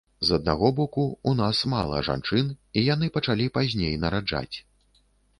З аднаго боку, у нас мала жанчын, і яны пачалі пазней нараджаць.